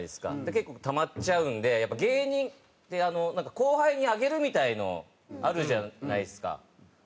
結構たまっちゃうんでやっぱ芸人って後輩にあげるみたいなのあるじゃないですか。